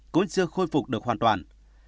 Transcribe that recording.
cũng chưa khôi phục được hoàn toàn